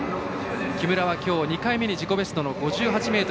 木村は、きょう２回目に自己ベストの５８ｍ２３ｃｍ。